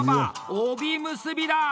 帯結びだ！